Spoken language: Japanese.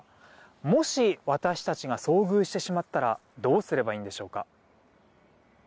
もし、私たちが遭遇してしまったらどうすればいいんでしょうか。